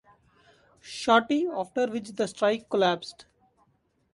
Shorty after which the strike collapsed.